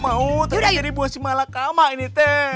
mau tapi jadi buah si malakama ini t